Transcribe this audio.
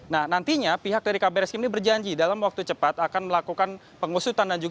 nah nantinya pihak dari kabar eskrim ini berjanji dalam waktu cepat akan melakukan pengusutan